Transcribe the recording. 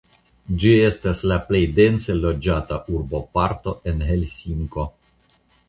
Ĝi estas la plej dense loĝata urboparto en Helsinko.